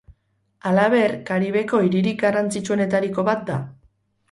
Halaber, Karibeko hiririk garrantzitsuenetariko bat da.